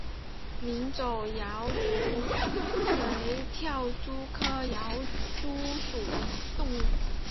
鸣走跃蛛为跳蛛科跃蛛属的动物。